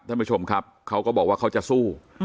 ท่านผู้ชมครับเขาก็บอกว่าเขาจะสู้